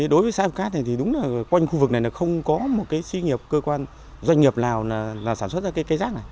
đối với xã hiệp cát thì đúng là quanh khu vực này không có một cái doanh nghiệp nào sản xuất ra cây rác này